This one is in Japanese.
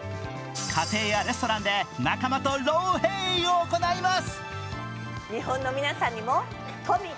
家庭やレストランで仲間とローヘイを行います。